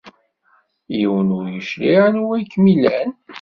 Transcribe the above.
Yiwen ur yecliɛ anwa i kem-ilan.